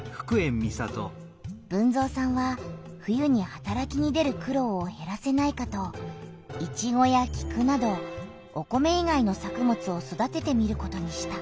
豊造さんは冬にはたらきに出る苦ろうをへらせないかとイチゴやキクなどお米いがいの作物を育ててみることにした。